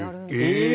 ええ！